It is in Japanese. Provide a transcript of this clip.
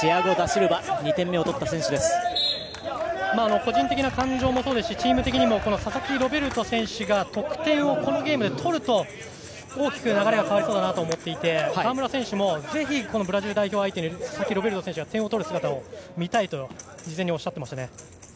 個人的な感情もそうですしチーム的にも佐々木ロベルト選手が得点をこのゲームで取ると大きく流れが変わりそうだなと思っていて川村選手もぜひブラジル代表相手に佐々木ロベルト選手が点を取る姿を見たいと事前におっしゃってました。